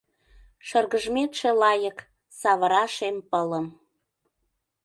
Шыргыжметше лайык, савыра шем пылым.